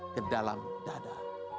ke dalam dada